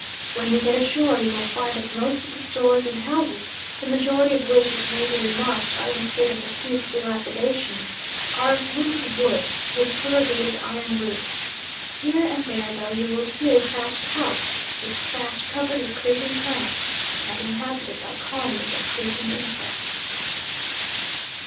When you get ashore, you will find that most of the stores and houses the majority of which, it may be remarked, are in a state of acute dilapidation are of painted wood, with corrugated iron roofs. Here and there, though, you will see a thatched house, its thatch covered with creeping plants, and inhabited by colonies of creeping insects.